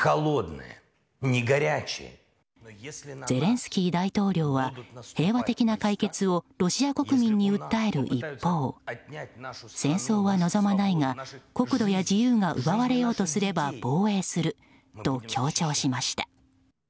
ゼレンスキー大統領は平和的な解決をロシア国民に訴える一方戦争は望まないが国土や自由が奪われようとすれば防衛すると強調しました。